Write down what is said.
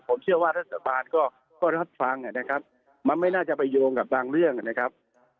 ผมเชื่อว่ารัฐบาลก็รับฟังนะครับมันไม่น่าจะไปโยงกับบางเรื่องนะครับ